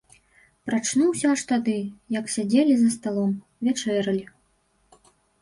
Прачнуўся аж тады, як сядзелі за сталом, вячэралі.